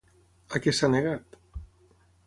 A què s'ha negat?